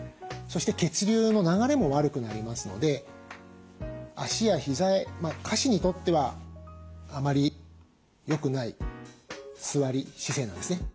そして血流の流れも悪くなりますので脚や膝へ下肢にとってはあまり良くない座り姿勢なんですね。